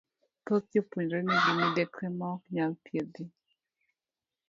Thoth jopuonjre nigi midekre maok nyal thiedhi,